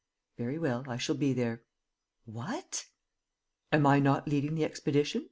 "Very well, I shall be there." "What?" "Am I not leading the expedition?